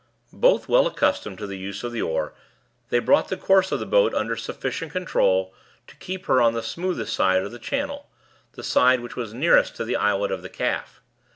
Both well accustomed to the use of the oar, they brought the course of the boat under sufficient control to keep her on the smoothest side of the channel the side which was nearest to the Islet of the Calf.